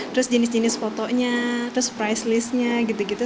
terus jenis jenis fotonya terus price listnya gitu gitu